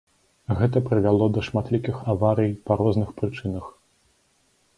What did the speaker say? Гэта прывяло да шматлікіх аварый па розных прычынах.